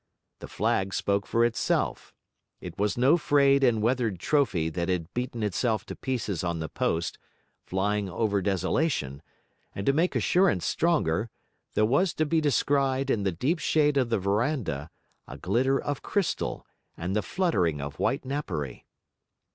The flag spoke for itself; it was no frayed and weathered trophy that had beaten itself to pieces on the post, flying over desolation; and to make assurance stronger, there was to be descried in the deep shade of the verandah, a glitter of crystal and the fluttering of white napery.